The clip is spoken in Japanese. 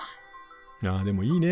あでもいいね。